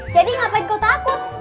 jadi ngapain kau takut